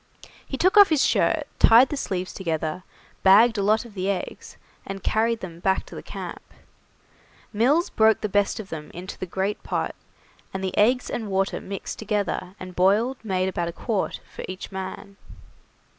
He took off his shirt, tied the sleeves together, bagged a lot of the eggs, and carried them back to the camp. Mills broke the best of them into the great pot, and the eggs and water mixed together and boiled made about a quart for each man.